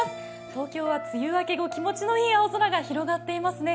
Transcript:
東京は梅雨明け後、気持ちのいい青空が広がっていますね。